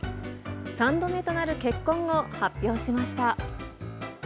３度目となる結婚を発表しました。